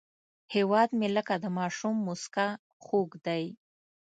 هیواد مې لکه د ماشوم موسکا خوږ دی